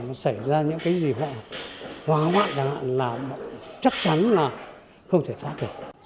nó sẽ xảy ra những cái gì nó sẽ xảy ra nó sẽ xảy ra những cái gì nó sẽ xảy ra